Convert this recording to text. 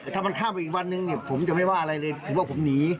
ถ้ามันข้ามไปอีกวันนึงเนี่ยผมจะไม่ว่าอะไรเลยผมว่าผมหนี